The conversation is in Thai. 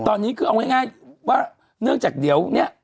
ตอนนี้คือเอาง่ายว่าเนื่องจากเดี๋ยวเนี่ย